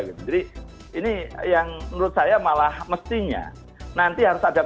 jadi ini yang menurut saya malah mestinya nanti harus ada kode etik